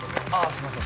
すいません